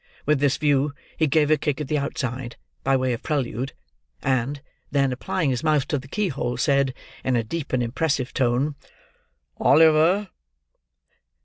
With this view he gave a kick at the outside, by way of prelude; and, then, applying his mouth to the keyhole, said, in a deep and impressive tone: "Oliver!"